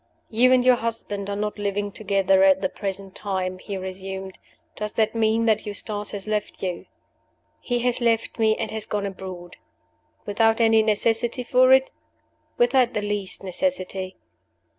"You and your husband are not living together at the present time," he resumed. "Does that mean that Eustace has left you?" "He has left me, and has gone abroad." "Without any necessity for it?" "Without the least necessity."